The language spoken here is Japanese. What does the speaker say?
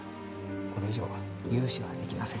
これ以上は融資はできません